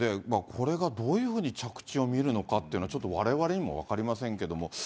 これがどういうふうに着地を見るのかというのは、ちょっとわれわれにも分かりませんけども。